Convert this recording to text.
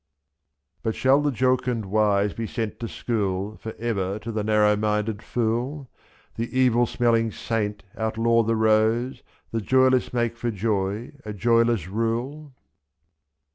But shall the jocund wise be sent to school For ever to the narrow minded fool, /?3.The evil smelling saint outlaw the rose. The joyless make for joy a joyless rule?